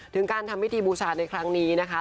ถึงการทำพิธีบูชาในครั้งนี้นะคะ